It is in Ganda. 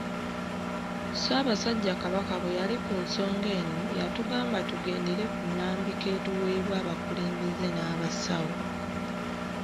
Ssaasabasajja Kabaka bwe yali ku nsonga eno, yatugamba tugendere ku nnambika etuweebwa abakulembeze n'abasawo.